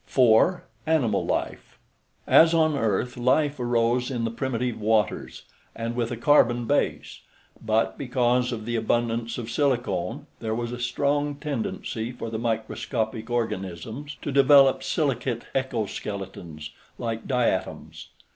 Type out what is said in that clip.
4. ANIMAL LIFE As on Earth life arose in the primitive waters and with a carbon base, but because of the abundance of silicone, there was a strong tendency for the microscopic organisms to develop silicate exoskeletons, like diatoms.